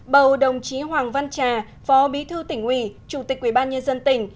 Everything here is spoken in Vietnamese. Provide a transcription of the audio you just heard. bầu đồng chí hoàng văn trà phó bí thư tỉnh ủy chủ tịch ủy ban nhân dân tỉnh